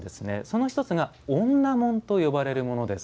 それが女紋と呼ばれるものです。